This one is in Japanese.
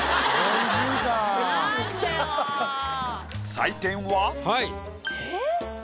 採点は。